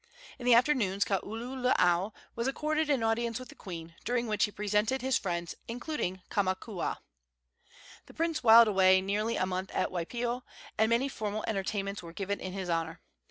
In the afternoon Kaululaau was accorded an audience with the queen, during which he presented his friends, including Kamakaua. The prince whiled away nearly a month at Waipio, and many formal entertainments were given in his honor.